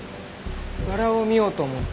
バラを見ようと思って。